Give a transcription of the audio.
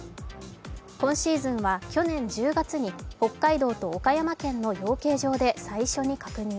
今シーズンは去年１０月に北海道と岡山県の養鶏場で最初に確認。